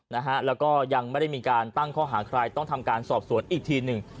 นะฮะแล้วก็ยังไม่ได้มีการตั้งข้อหาใครต้องทำการสอบสวนอีกทีหนึ่ง